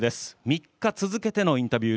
３日続けてのインタビュー